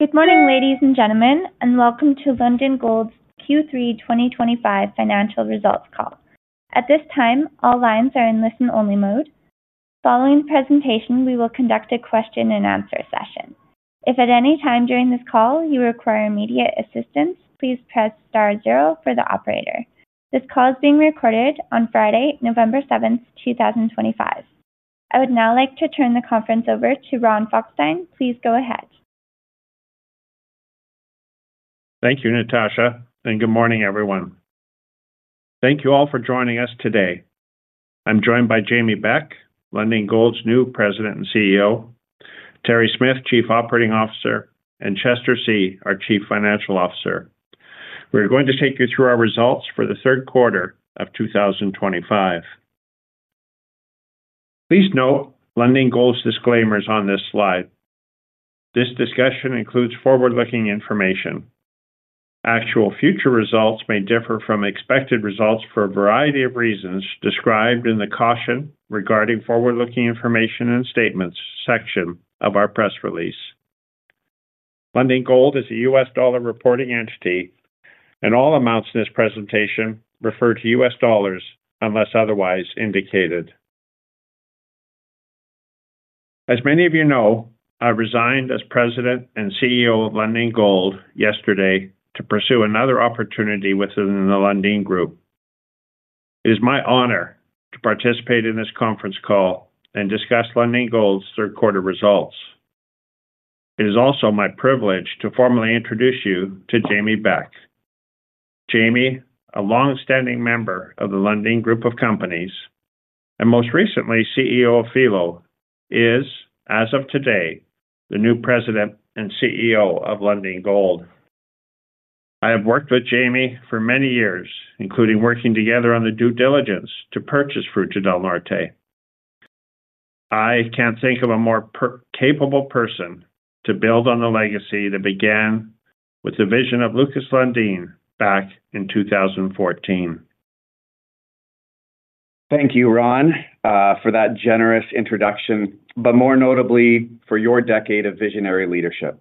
Good morning, ladies and gentlemen, and welcome to Lundin Gold's Q3 2025 financial results call. At this time, all lines are in listen-only mode. Following the presentation, we will conduct a question-and-answer session. If at any time during this call you require immediate assistance, please press star zero for the operator. This call is being recorded on Friday, November 7th, 2025. I would now like to turn the conference over to Ron Hochstein. Please go ahead. Thank you, Natasha, and good morning, everyone. Thank you all for joining us today. I'm joined by Jamie Beck, Lundin Gold's new President and CEO; Terry Smith, Chief Operating Officer; and Chester See, our Chief Financial Officer. We're going to take you through our results for the third quarter of 2025. Please note Lundin Gold's disclaimers on this slide. This discussion includes forward-looking information. Actual future results may differ from expected results for a variety of reasons described in the caution regarding forward-looking information and statements section of our press release. Lundin Gold is a U.S. dollar reporting entity, and all amounts in this presentation refer to U.S. dollars unless otherwise indicated. As many of you know, I resigned as President and CEO of Lundin Gold yesterday to pursue another opportunity within the Lundin Group. It is my honor to participate in this conference call and discuss Lundin Gold's third-quarter results. It is also my privilege to formally introduce you to Jamie Beck. Jamie, a longstanding member of the Lundin Group of companies and most recently CEO of Filo, is, as of today, the new President and CEO of Lundin Gold. I have worked with Jamie for many years, including working together on the due diligence to purchase Fruta del Norte. I can't think of a more capable person to build on the legacy that began with the vision of Lucas Lundin back in 2014. Thank you, Ron, for that generous introduction, but more notably for your decade of visionary leadership.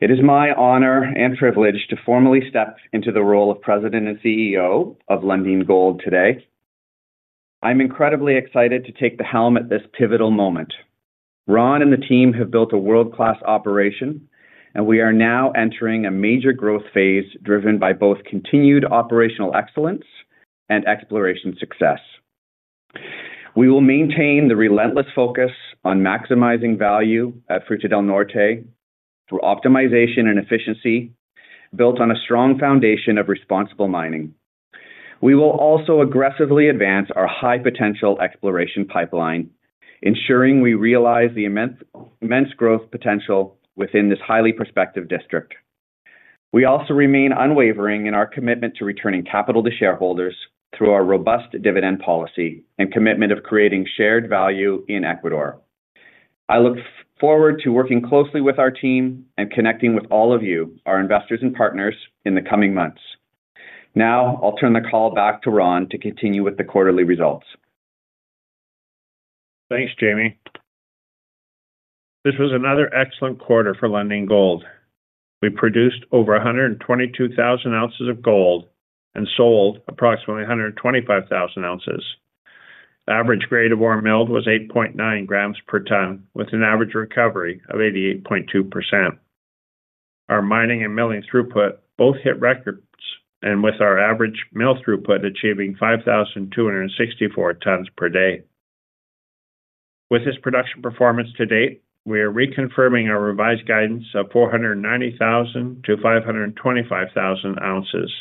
It is my honor and privilege to formally step into the role of President and CEO of Lundin Gold today. I'm incredibly excited to take the helm at this pivotal moment. Ron and the team have built a world-class operation, and we are now entering a major growth phase driven by both continued operational excellence and exploration success. We will maintain the relentless focus on maximizing value at Fruta del Norte through optimization and efficiency built on a strong foundation of responsible mining. We will also aggressively advance our high-potential exploration pipeline, ensuring we realize the immense growth potential within this highly prospective district. We also remain unwavering in our commitment to returning capital to shareholders through our robust dividend policy and commitment of creating shared value in Ecuador. I look forward to working closely with our team and connecting with all of you, our investors and partners, in the coming months. Now, I'll turn the call back to Ron to continue with the quarterly results. Thanks, Jamie. This was another excellent quarter for Lundin Gold. We produced over 122,000 ounces of gold and sold approximately 125,000 ounces. The average grade of our milled was 8.9 g/t, with an average recovery of 88.2%. Our mining and milling throughput both hit records, with our average mill throughput achieving 5,264 tons per day. With this production performance to date, we are reconfirming our revised guidance of 490,000 ounces-525,000 ounces.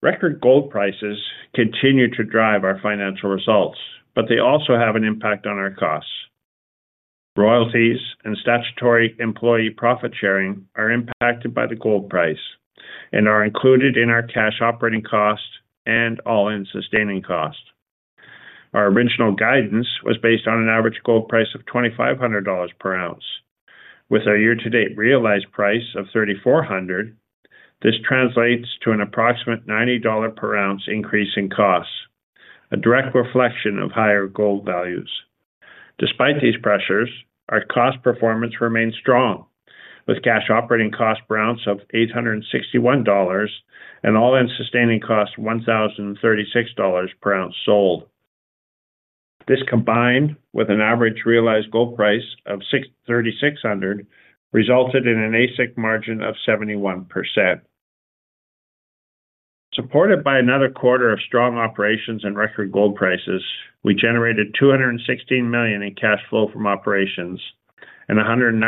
Record gold prices continue to drive our financial results, but they also have an impact on our costs. Royalties and statutory employee profit sharing are impacted by the gold price and are included in our cash operating cost and all-in sustaining cost. Our original guidance was based on an average gold price of $2,500 per ounce. With our year-to-date realized price of $3,400, this translates to an approximate $90 per ounce increase in cost, a direct reflection of higher gold values. Despite these pressures, our cost performance remains strong, with cash operating cost per ounce of $861 and all-in sustaining cost $1,036 per ounce sold. This combined with an average realized gold price of $3,600 resulted in an AISC margin of 71%. Supported by another quarter of strong operations and record gold prices, we generated $216 million in cash flow from operations and $191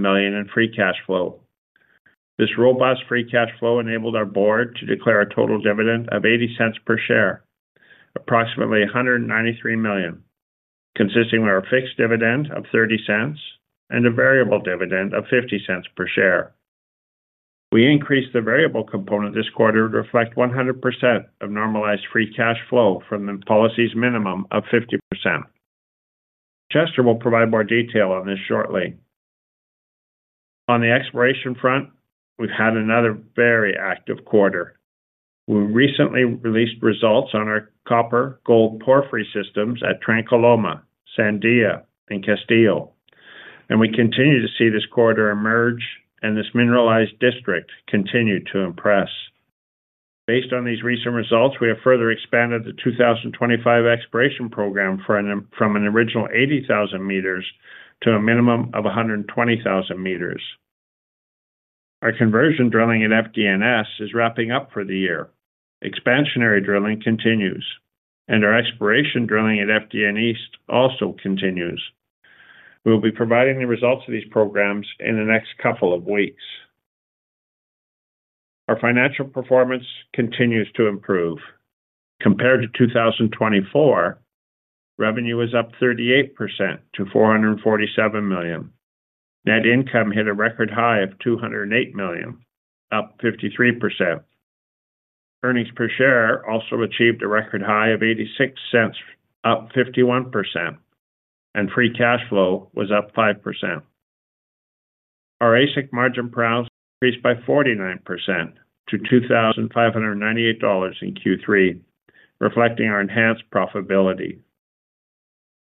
million in free cash flow. This robust free cash flow enabled our board to declare a total dividend of $0.80 per share, approximately $193 million, consisting of our fixed dividend of $0.30 and a variable dividend of $0.50 per share. We increased the variable component this quarter to reflect 100% of normalized free cash flow from the policy's minimum of 50%. Chester will provide more detail on this shortly. On the exploration front, we've had another very active quarter. We recently released results on our copper-gold porphyry systems at Trancaloma, Sandia, and Castillo, and we continue to see this quarter emerge and this mineralized district continue to impress. Based on these recent results, we have further expanded the 2025 exploration program from an original 80,000 m to a minimum of 120,000 m. Our conversion drilling at FDNS is wrapping up for the year. Expansionary drilling continues, and our exploration drilling at FDN East also continues. We will be providing the results of these programs in the next couple of weeks. Our financial performance continues to improve. Compared to 2024, revenue was up 38% to $447 million. Net income hit a record high of $208 million, up 53%. Earnings per share also achieved a record high of $0.86, up 51%, and free cash flow was up 5%. Our AISC margin per ounce increased by 49% to $2,598 in Q3, reflecting our enhanced profitability.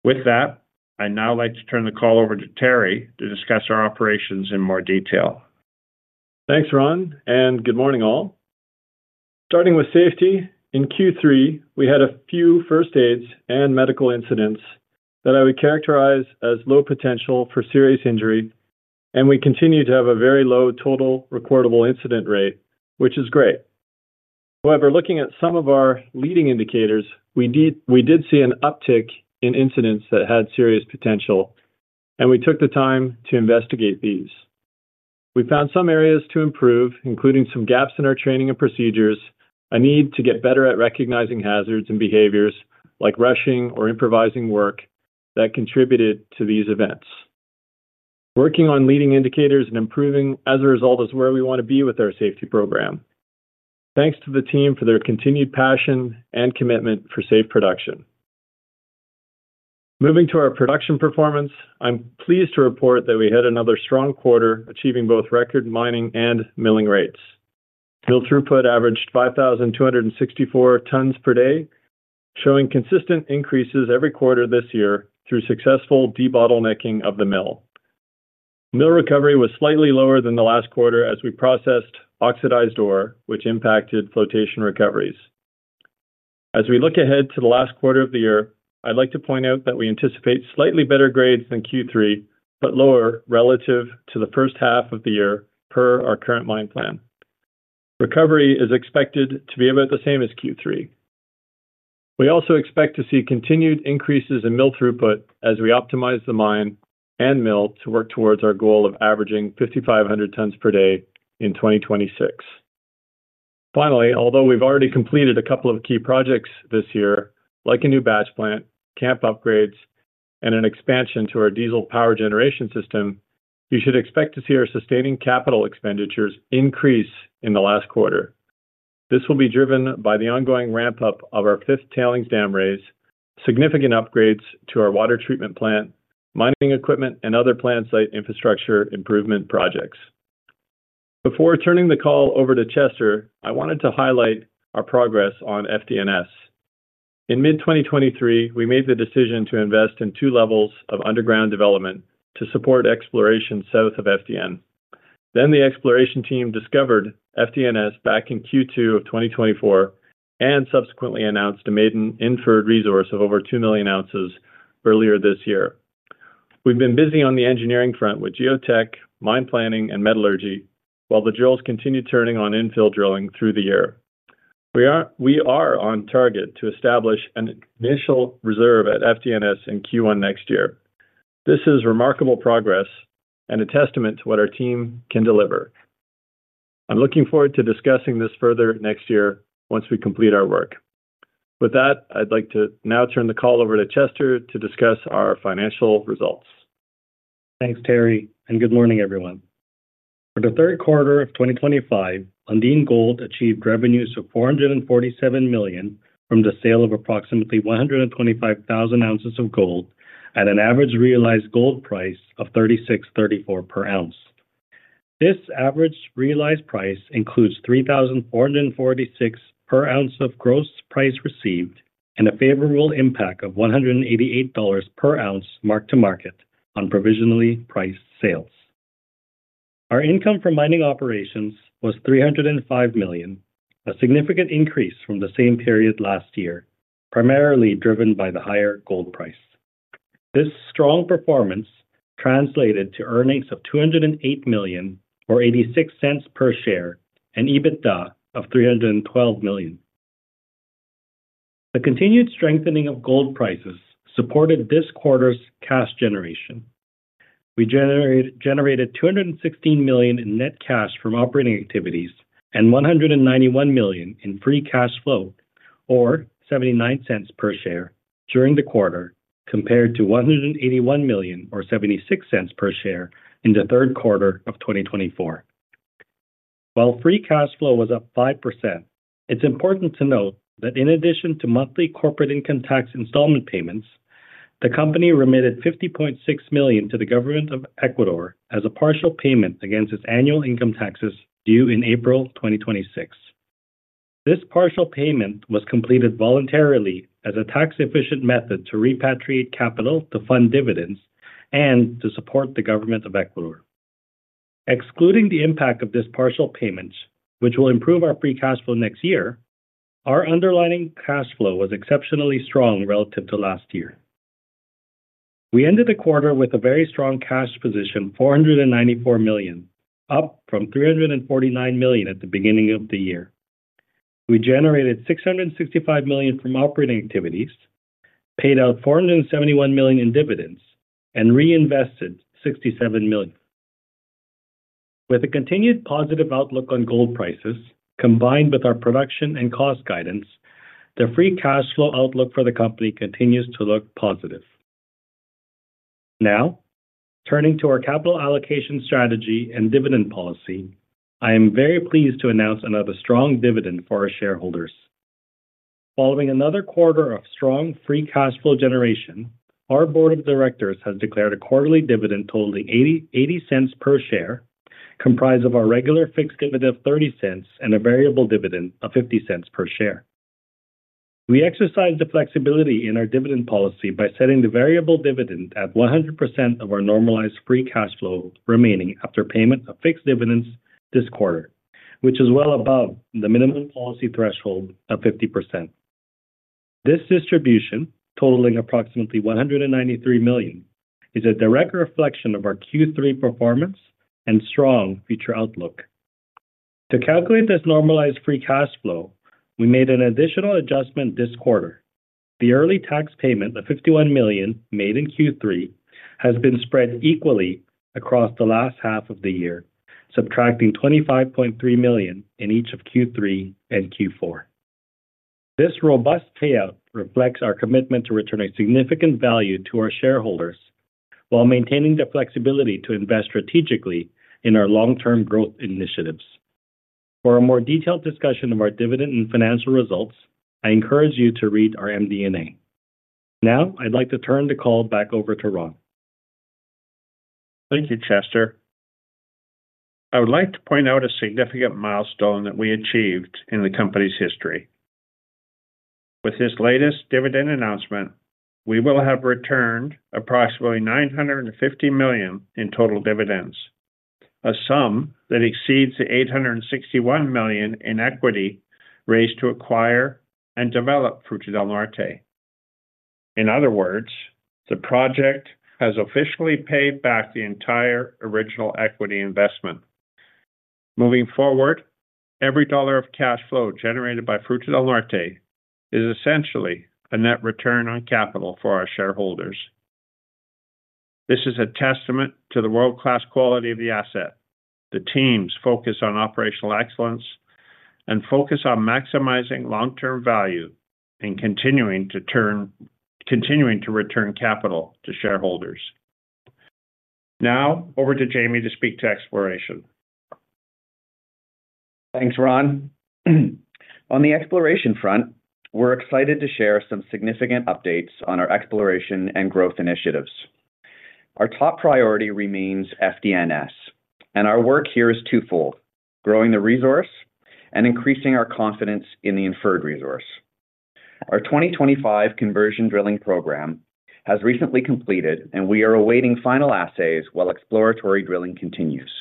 With that, I'd now like to turn the call over to Terry to discuss our operations in more detail. Thanks, Ron, and good morning, all. Starting with safety, in Q3, we had a few first aids and medical incidents that I would characterize as low potential for serious injury, and we continue to have a very low total recordable incident rate, which is great. However, looking at some of our leading indicators, we did see an uptick in incidents that had serious potential, and we took the time to investigate these. We found some areas to improve, including some gaps in our training and procedures, a need to get better at recognizing hazards and behaviors like rushing or improvising work that contributed to these events. Working on leading indicators and improving as a result is where we want to be with our safety program. Thanks to the team for their continued passion and commitment for safe production. Moving to our production performance, I'm pleased to report that we hit another strong quarter, achieving both record mining and milling rates. Mill throughput averaged 5,264 tons per day, showing consistent increases every quarter this year through successful debottlenecking of the mill. Mill recovery was slightly lower than the last quarter as we processed oxidized ore, which impacted flotation recoveries. As we look ahead to the last quarter of the year, I'd like to point out that we anticipate slightly better grades than Q3, but lower relative to the first half of the year per our current mine plan. Recovery is expected to be about the same as Q3. We also expect to see continued increases in mill throughput as we optimize the mine and mill to work towards our goal of averaging 5,500 tons per day in 2026. Finally, although we've already completed a couple of key projects this year, like a new batch plant, camp upgrades, and an expansion to our diesel power generation system, you should expect to see our sustaining capital expenditures increase in the last quarter. This will be driven by the ongoing ramp-up of our fifth tailings dam raise, significant upgrades to our water treatment plant, mining equipment, and other plant site infrastructure improvement projects. Before turning the call over to Chester, I wanted to highlight our progress on FDNS. In mid-2023, we made the decision to invest in two levels of underground development to support exploration south of FDN. The exploration team discovered FDNS back in Q2 of 2024 and subsequently announced a maiden inferred resource of over 2 million ounces earlier this year. We've been busy on the engineering front with geotech, mine planning, and metallurgy, while the drills continue turning on infill drilling through the year. We are on target to establish an initial reserve at FDNS in Q1 next year. This is remarkable progress and a testament to what our team can deliver. I'm looking forward to discussing this further next year once we complete our work. With that, I'd like to now turn the call over to Chester to discuss our financial results. Thanks, Terry, and good morning, everyone. For the third quarter of 2025, Lundin Gold achieved revenues of $447 million from the sale of approximately 125,000 ounces of gold at an average realized gold price of $3,634 per ounce. This average realized price includes $3,446 per ounce of gross price received and a favorable impact of $188 per ounce marked to market on provisionally priced sales. Our income from mining operations was $305 million, a significant increase from the same period last year, primarily driven by the higher gold price. This strong performance translated to earnings of $208 million, or $0.86 per share, and EBITDA of $312 million. The continued strengthening of gold prices supported this quarter's cash generation. We generated $216 million in net cash from operating activities and $191 million in free cash flow, or $0.79 per share, during the quarter, compared to $181 million, or $0.76 per share, in the third quarter of 2024. While free cash flow was up 5%, it's important to note that in addition to monthly corporate income tax installment payments, the company remitted $50.6 million to the government of Ecuador as a partial payment against its annual income taxes due in April 2026. This partial payment was completed voluntarily as a tax-efficient method to repatriate capital to fund dividends and to support the government of Ecuador. Excluding the impact of this partial payment, which will improve our free cash flow next year, our underlying cash flow was exceptionally strong relative to last year. We ended the quarter with a very strong cash position, $494 million, up from $349 million at the beginning of the year. We generated $665 million from operating activities, paid out $471 million in dividends, and reinvested $67 million. With a continued positive outlook on gold prices, combined with our production and cost guidance, the free cash flow outlook for the company continues to look positive. Now, turning to our capital allocation strategy and dividend policy, I am very pleased to announce another strong dividend for our shareholders. Following another quarter of strong free cash flow generation, our Board of Directors has declared a quarterly dividend totaling $0.80 per share, comprised of our regular fixed dividend of $0.30 and a variable dividend of $0.50 per share. We exercised the flexibility in our dividend policy by setting the variable dividend at 100% of our normalized free cash flow remaining after payment of fixed dividends this quarter, which is well above the minimum policy threshold of 50%. This distribution, totaling approximately $193 million, is a direct reflection of our Q3 performance and strong future outlook. To calculate this normalized free cash flow, we made an additional adjustment this quarter. The early tax payment of $51 million made in Q3 has been spread equally across the last half of the year, subtracting $25.3 million in each of Q3 and Q4. This robust payout reflects our commitment to returning significant value to our shareholders while maintaining the flexibility to invest strategically in our long-term growth initiatives. For a more detailed discussion of our dividend and financial results, I encourage you to read our MD&A. Now, I'd like to turn the call back over to Ron. Thank you, Chester. I would like to point out a significant milestone that we achieved in the company's history. With this latest dividend announcement, we will have returned approximately $950 million in total dividends, a sum that exceeds the $861 million in equity raised to acquire and develop Fruta del Norte. In other words, the project has officially paid back the entire original equity investment. Moving forward, every dollar of cash flow generated by Fruta del Norte is essentially a net return on capital for our shareholders. This is a testament to the world-class quality of the asset, the team's focus on operational excellence, and focus on maximizing long-term value and continuing to return capital to shareholders. Now, over to Jamie to speak to exploration. Thanks, Ron. On the exploration front, we're excited to share some significant updates on our exploration and growth initiatives. Our top priority remains FDNS, and our work here is twofold: growing the resource and increasing our confidence in the inferred resource. Our 2025 conversion drilling program has recently completed, and we are awaiting final assays while exploratory drilling continues.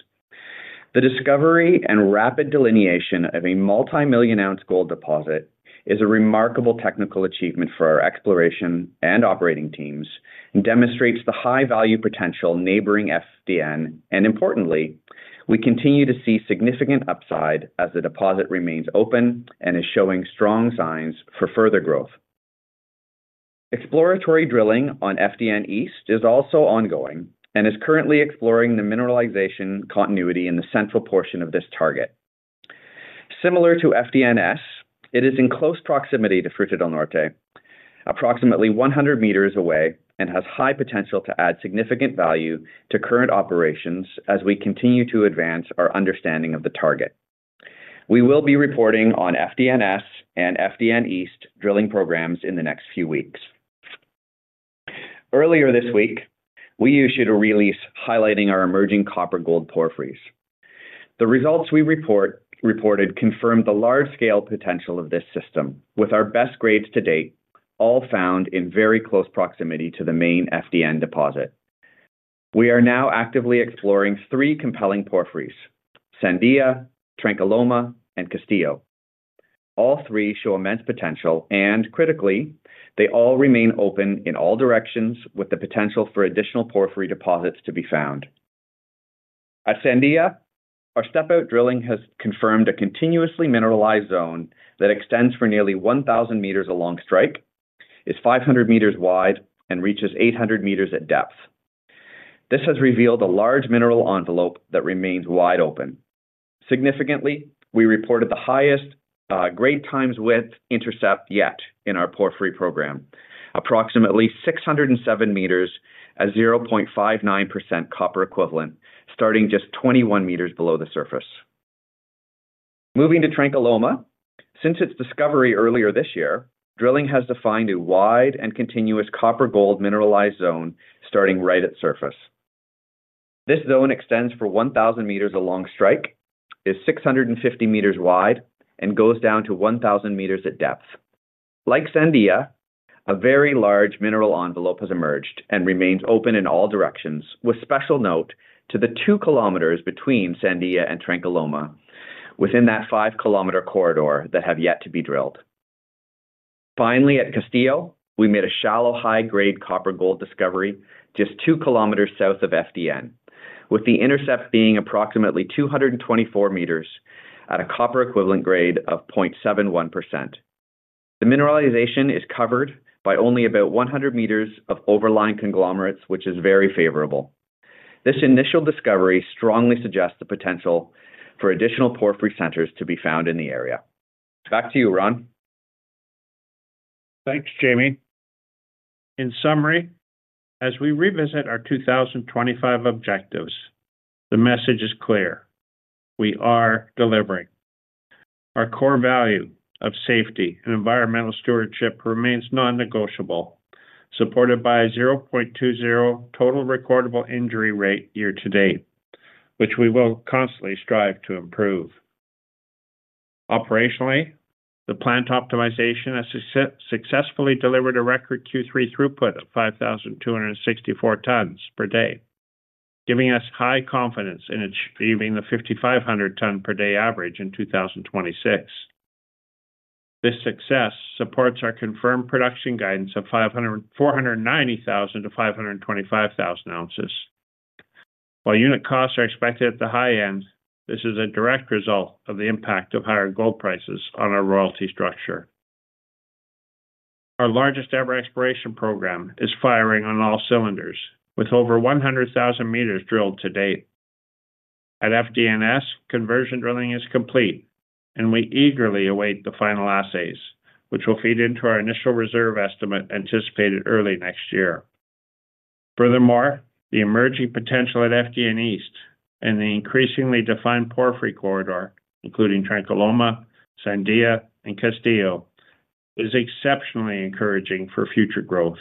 The discovery and rapid delineation of a multi-million-ounce gold deposit is a remarkable technical achievement for our exploration and operating teams and demonstrates the high-value potential neighboring FDN, and importantly, we continue to see significant upside as the deposit remains open and is showing strong signs for further growth. Exploratory drilling on FDN East is also ongoing and is currently exploring the mineralization continuity in the central portion of this target. Similar to FDNS, it is in close proximity to Fruta del Norte, approximately 100 m away, and has high potential to add significant value to current operations as we continue to advance our understanding of the target. We will be reporting on FDNS and FDN East drilling programs in the next few weeks. Earlier this week, we issued a release highlighting our emerging copper-gold porphyries. The results we reported confirmed the large-scale potential of this system, with our best grades to date all found in very close proximity to the main FDN deposit. We are now actively exploring three compelling porphyries: Sandia, Trancaloma, and Castillo. All three show immense potential, and critically, they all remain open in all directions with the potential for additional porphyry deposits to be found. At Sandia, our step-out drilling has confirmed a continuously mineralized zone that extends for nearly 1,000 m along strike, is 500 m wide, and reaches 800 m at depth. This has revealed a large mineral envelope that remains wide open. Significantly, we reported the highest grade times width intercept yet in our porphyry program, approximately 607 m at 0.59% copper equivalent, starting just 21 m below the surface. Moving to Trancaloma, since its discovery earlier this year, drilling has defined a wide and continuous copper-gold mineralized zone starting right at surface. This zone extends for 1,000 m along strike, is 650 m wide, and goes down to 1,000 m at depth. Like Sandia, a very large mineral envelope has emerged and remains open in all directions, with special note to the 2 km between Sandia and Trancaloma within that 5 km corridor that have yet to be drilled. Finally, at Castillo, we made a shallow high-grade copper-gold discovery just 2 km south of FDN, with the intercept being approximately 224 m at a copper-equivalent grade of 0.71%. The mineralization is covered by only about 100 m of overlying conglomerates, which is very favorable. This initial discovery strongly suggests the potential for additional porphyry centers to be found in the area. Back to you, Ron. Thanks, Jamie. In summary, as we revisit our 2025 objectives, the message is clear: we are delivering. Our core value of safety and environmental stewardship remains non-negotiable, supported by a 0.20 total recordable injury rate year to date, which we will constantly strive to improve. Operationally, the plant optimization has successfully delivered a record Q3 throughput of 5,264 tons per day, giving us high confidence in achieving the 5,500-ton-per-day average in 2026. This success supports our confirmed production guidance of 490,000 ounces-525,000 ounces. While unit costs are expected at the high end, this is a direct result of the impact of higher gold prices on our royalty structure. Our largest ever exploration program is firing on all cylinders, with over 100,000 m drilled to date. At FDNS, conversion drilling is complete, and we eagerly await the final assays, which will feed into our initial reserve estimate anticipated early next year. Furthermore, the emerging potential at FDN East and the increasingly defined porphyry corridor, including Trancaloma, Sandia, and Castillo, is exceptionally encouraging for future growth.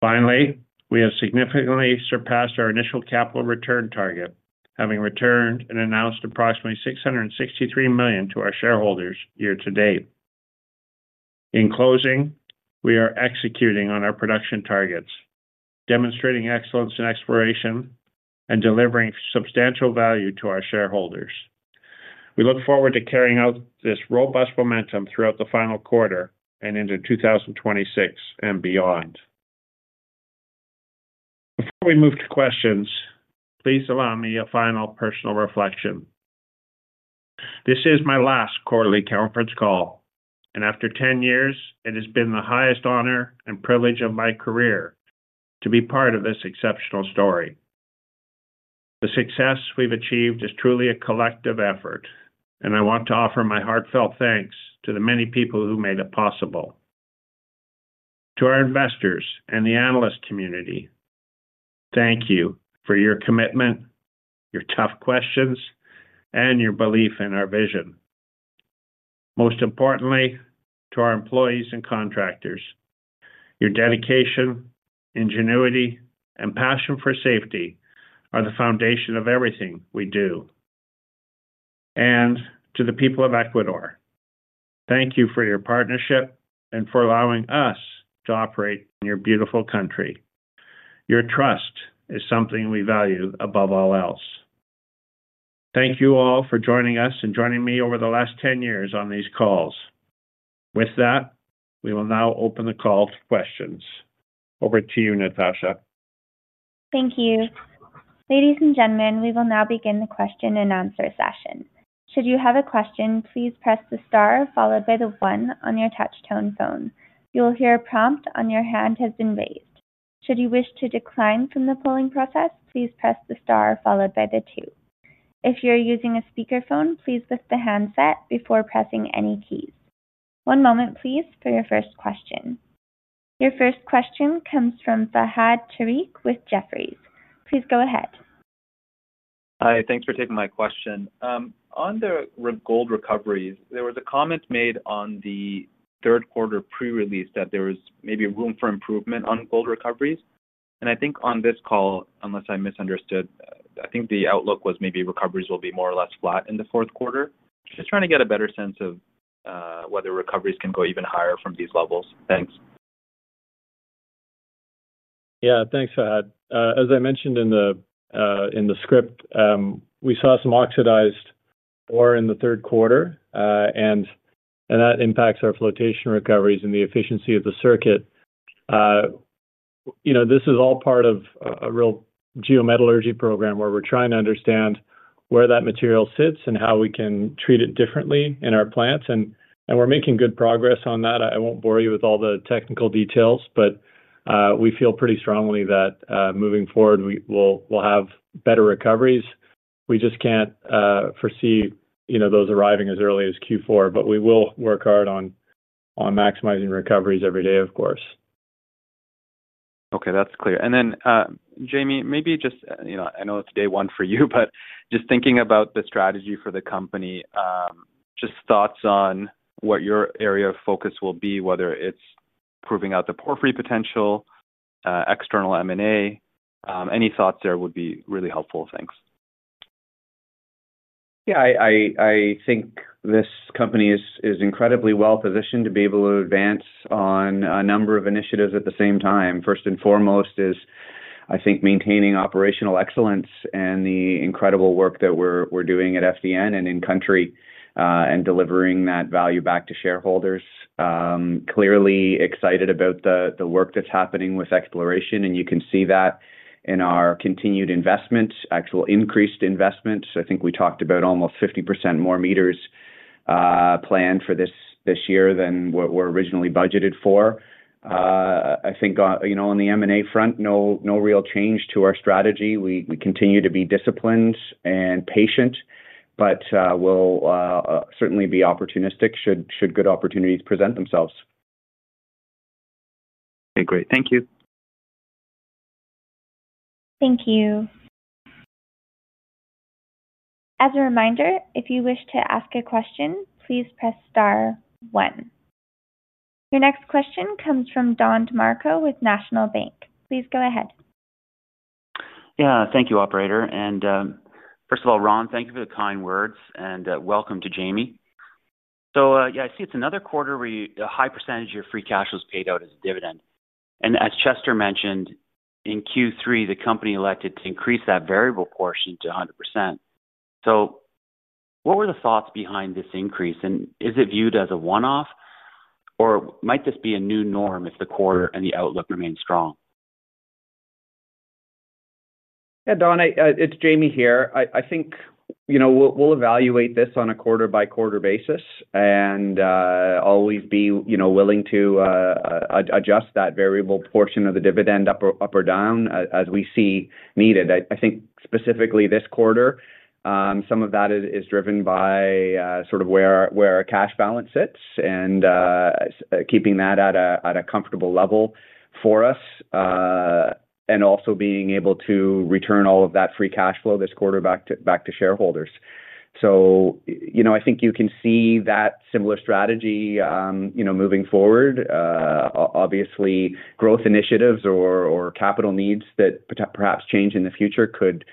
Finally, we have significantly surpassed our initial capital return target, having returned and announced approximately $663 million to our shareholders year to date. In closing, we are executing on our production targets, demonstrating excellence in exploration, and delivering substantial value to our shareholders. We look forward to carrying out this robust momentum throughout the final quarter and into 2026 and beyond. Before we move to questions, please allow me a final personal reflection. This is my last quarterly conference call, and after 10 years, it has been the highest honor and privilege of my career to be part of this exceptional story. The success we have achieved is truly a collective effort, and I want to offer my heartfelt thanks to the many people who made it possible. To our investors and the analyst community, thank you for your commitment, your tough questions, and your belief in our vision. Most importantly, to our employees and contractors, your dedication, ingenuity, and passion for safety are the foundation of everything we do. To the people of Ecuador, thank you for your partnership and for allowing us to operate in your beautiful country. Your trust is something we value above all else. Thank you all for joining us and joining me over the last 10 years on these calls. With that, we will now open the call to questions. Over to you, Natasha. Thank you. Ladies and gentlemen, we will now begin the question-and-answer session. Should you have a question, please press the star followed by the one on your touch-tone phone. You will hear a prompt on your hand has been raised. Should you wish to decline from the polling process, please press the star followed by the two. If you're using a speakerphone, please lift the handset before pressing any keys. One moment, please, for your first question. Your first question comes from Fahad Tariq with Jefferies. Please go ahead. Hi, thanks for taking my question. On the gold recoveries, there was a comment made on the third quarter pre-release that there was maybe room for improvement on gold recoveries. I think on this call, unless I misunderstood, I think the outlook was maybe recoveries will be more or less flat in the fourth quarter. Just trying to get a better sense of whether recoveries can go even higher from these levels. Thanks. Yeah, thanks, Fahad. As I mentioned in the script, we saw some oxidized ore in the third quarter, and that impacts our flotation recoveries and the efficiency of the circuit. This is all part of a real geometallurgy program where we're trying to understand where that material sits and how we can treat it differently in our plants. We're making good progress on that. I won't bore you with all the technical details, but we feel pretty strongly that moving forward, we'll have better recoveries. We just can't foresee those arriving as early as Q4, but we will work hard on maximizing recoveries every day, of course. Okay, that's clear. Jamie, maybe just, I know it's day one for you, but just thinking about the strategy for the company, just thoughts on what your area of focus will be, whether it's proving out the porphyry potential, external M&A, any thoughts there would be really helpful. Thanks. Yeah, I think this company is incredibly well-positioned to be able to advance on a number of initiatives at the same time. First and foremost is, I think, maintaining operational excellence and the incredible work that we're doing at FDN and in country and delivering that value back to shareholders. Clearly excited about the work that's happening with exploration, and you can see that in our continued investment, actual increased investment. I think we talked about almost 50% more meters planned for this year than what were originally budgeted for. I think on the M&A front, no real change to our strategy. We continue to be disciplined and patient, but we'll certainly be opportunistic should good opportunities present themselves. Okay, great. Thank you. Thank you. As a reminder, if you wish to ask a question, please press star one. Your next question comes from Don DeMarco with National Bank. Please go ahead. Yeah, thank you, Operator. First of all, Ron, thank you for the kind words, and welcome to Jamie. I see it's another quarter where a high percentage of your free cash was paid out as a dividend. As Chester mentioned, in Q3, the company elected to increase that variable portion to 100%. What were the thoughts behind this increase? Is it viewed as a one-off, or might this be a new norm if the quarter and the outlook remain strong? Yeah, Don, it's Jamie here. I think we'll evaluate this on a quarter-by-quarter basis and always be willing to adjust that variable portion of the dividend up or down as we see needed. I think specifically this quarter, some of that is driven by sort of where our cash balance sits and keeping that at a comfortable level for us and also being able to return all of that free cash flow this quarter back to shareholders. I think you can see that similar strategy moving forward. Obviously, growth initiatives or capital needs that perhaps change in the future could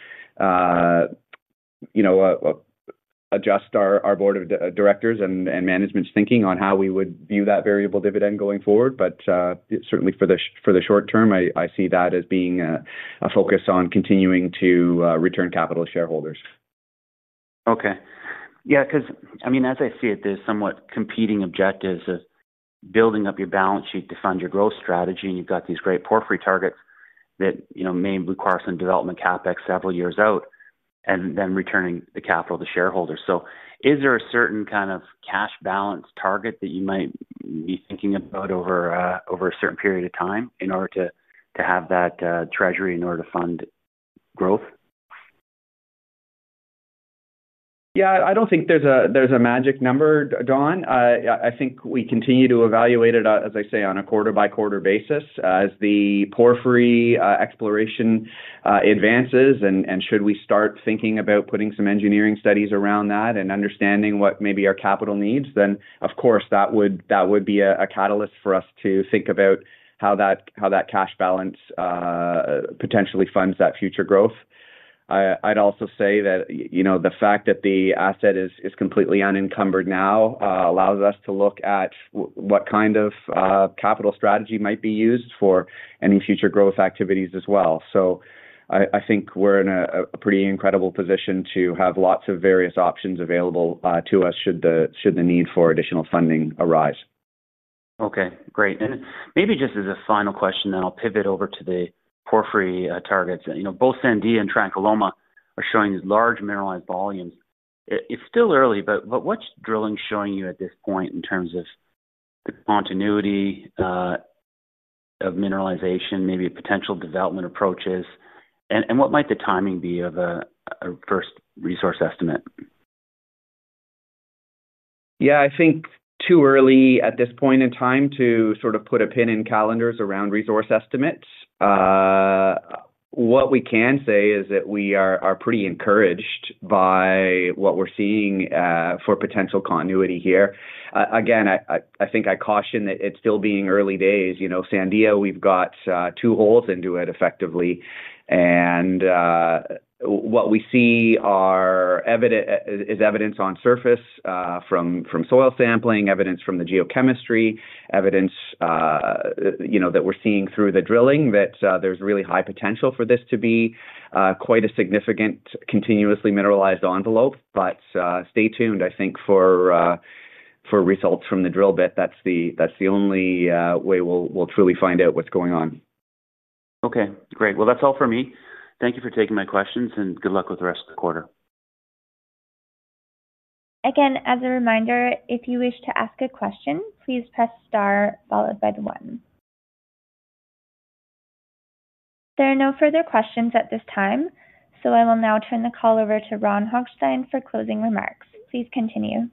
adjust our Board of Directors and management's thinking on how we would view that variable dividend going forward. Certainly for the short term, I see that as being a focus on continuing to return capital to shareholders. Okay. Yeah, because I mean, as I see it, there's somewhat competing objectives of building up your balance sheet to fund your growth strategy, and you've got these great porphyry targets that may require some development CapEx several years out and then returning the capital to shareholders. Is there a certain kind of cash balance target that you might be thinking about over a certain period of time in order to have that treasury in order to fund growth? Yeah, I do not think there is a magic number, Don. I think we continue to evaluate it, as I say, on a quarter-by-quarter basis as the porphyry exploration advances. Should we start thinking about putting some engineering studies around that and understanding what maybe our capital needs, then of course, that would be a catalyst for us to think about how that cash balance potentially funds that future growth. I would also say that the fact that the asset is completely unencumbered now allows us to look at what kind of capital strategy might be used for any future growth activities as well. I think we are in a pretty incredible position to have lots of various options available to us should the need for additional funding arise. Okay, great. Maybe just as a final question, I'll pivot over to the porphyry targets. Both Sandia and Trancaloma are showing these large mineralized volumes. It's still early, but what's drilling showing you at this point in terms of the continuity of mineralization, maybe potential development approaches? What might the timing be of a first resource estimate? Yeah, I think too early at this point in time to sort of put a pin in calendars around resource estimates. What we can say is that we are pretty encouraged by what we're seeing for potential continuity here. Again, I think I caution that it's still being early days. Sandia, we've got two holes into it effectively. What we see is evidence on surface from soil sampling, evidence from the geochemistry, evidence that we're seeing through the drilling that there's really high potential for this to be quite a significant continuously mineralized envelope. Stay tuned, I think, for results from the drill bit. That's the only way we'll truly find out what's going on. Okay, great. That is all for me. Thank you for taking my questions, and good luck with the rest of the quarter. Again, as a reminder, if you wish to ask a question, please press star followed by the one. There are no further questions at this time, so I will now turn the call over to Ron Hochstein for closing remarks. Please continue.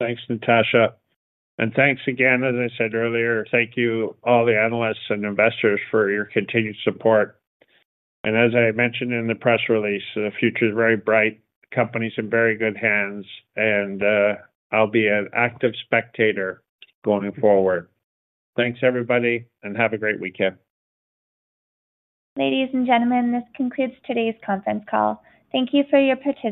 Thanks, Natasha. Thanks again, as I said earlier, thank you all the analysts and investors for your continued support. As I mentioned in the press release, the future is very bright. The company's in very good hands, and I'll be an active spectator going forward. Thanks, everybody, and have a great weekend. Ladies and gentlemen, this concludes today's conference call. Thank you for your participation.